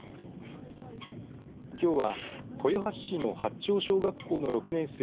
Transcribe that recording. きょうは豊橋市の八町小学校の６年生